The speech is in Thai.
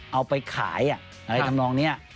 เอาไปขายอะไรทำนองนี้